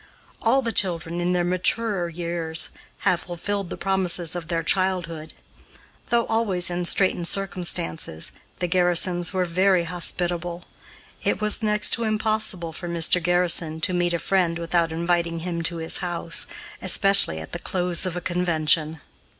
All the children, in their maturer years, have fulfilled the promises of their childhood. Though always in straitened circumstances, the Garrisons were very hospitable. It was next to impossible for Mr. Garrison to meet a friend without inviting him to his house, especially at the close of a convention.